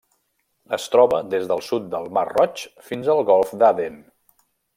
Es troba des del sud del Mar Roig fins al Golf d'Aden.